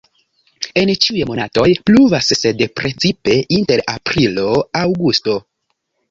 En ĉiuj monatoj pluvas, sed precipe inter aprilo-aŭgusto.